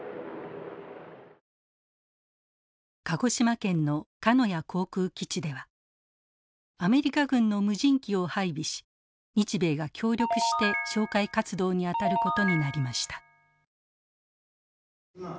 鹿児島県の鹿屋航空基地ではアメリカ軍の無人機を配備し日米が協力して哨戒活動に当たることになりました。